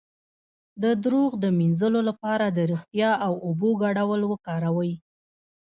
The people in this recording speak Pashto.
د دروغ د مینځلو لپاره د ریښتیا او اوبو ګډول وکاروئ